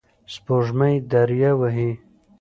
سپوږمۍ دریه وهي